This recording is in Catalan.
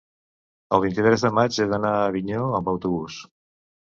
el vint-i-tres de maig he d'anar a Avinyó amb autobús.